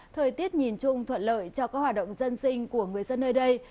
thời tiết nhìn chung thuận lợi cho các hoạt động dân sinh của người dân nơi đây